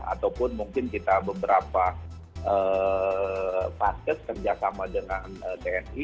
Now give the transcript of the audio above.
ataupun mungkin kita beberapa vites kerja sama dengan dni